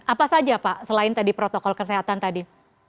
apa saja pak selain tadi protokol kesehatan tadi